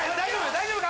大丈夫か？